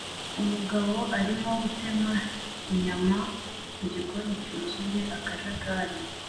Umugabo arimo gutema inyama mu gikoni cyuzuye akajagari